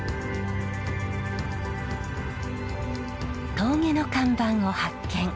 峠の看板を発見。